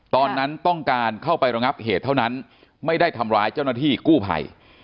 ตอนนั้นต้องการเข้าไประงับเหตุเท่านั้นไม่ได้ทำร้ายเจ้าหน้าที่กู้ภัย